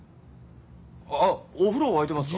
あお風呂沸いてますか？